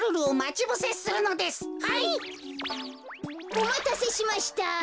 おまたせしました。